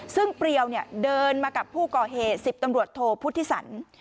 ซึ่งเปรียวเดินมากับผู้ก่อเหตุ๑๐ตำรวจโทพุทธิสัน